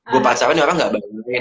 gua pacaran ini orang gak bayar gue nikah